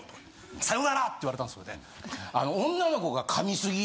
さよなら！」って言われたんですよね。